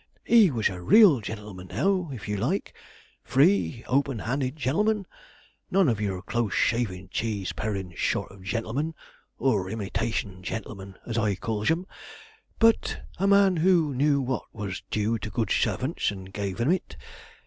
He was a real gentleman now, if you like free, open handed gentleman none of your close shavin', cheese parin' sort of gentlemen, or imitation gentlemen, as I calls them, but a man who knew what was due to good servants and gave them it.